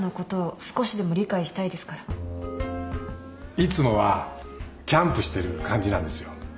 いつもはキャンプしてる感じなんですよ。